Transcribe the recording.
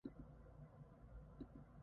The flag of the city is red and white.